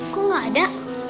kok nggak ada